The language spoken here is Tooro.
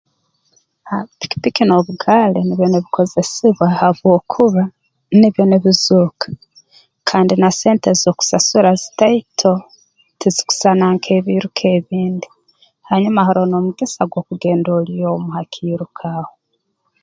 Hati pikipiki n'obugaali nibyo nibikozesebwa habwokuba nibyo nibizooka kandi na sente ezi okusasura zitaito tizikusana nk'ebiiruka ebindi hanyuma haroho n'omugisa ogw'okugenda oli omu ha kiiruka aho